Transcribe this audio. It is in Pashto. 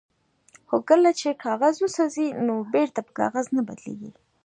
هو کله چې کاغذ وسوځي نو بیرته په کاغذ نه بدلیږي